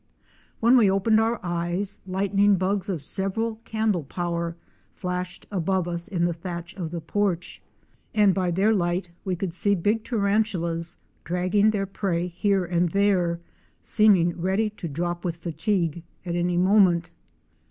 When we opened our eyes, 214 THROUGH THE COASTAL WILDERNESS. 215 lightning bugs of several candle power flashed above us in the thatch of the porch, and by their light we could see big tarantulas dragging their prey here and there, seeming ready to drop with fatigue at any moment.